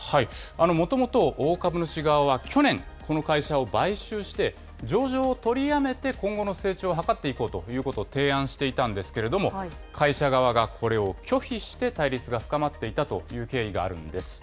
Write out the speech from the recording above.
もともと大株主側は去年、この会社を買収して、上場を取りやめて、今後の成長を図っていこうということを提案していたんですけれども、会社側がこれを拒否して、対立が深まっていたという経緯があるんです。